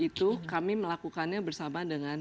itu kami melakukannya bersama dengan